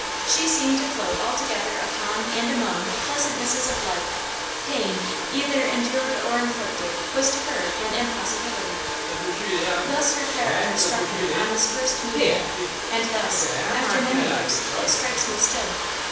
She seemed to float altogether upon and among the pleasantnesses of life; pain, either endured or inflicted, was to her an impossibility. Thus her character struck me on this first meeting, and thus, after many years, it strikes me still.